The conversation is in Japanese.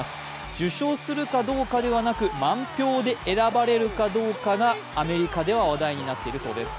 受賞するかどうかではなく、満票で選ばれるかどうかがアメリカでは話題になっているそうです。